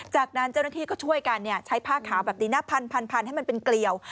จากนั้นเจ้าหน้าที่ก็ช่วยกันใช้ผ้าขาวแบบนี้นะพันให้มันเป็นเกลียว